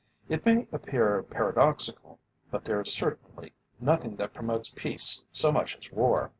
It may appear paradoxical, but there is certainly nothing that promotes peace so much as war.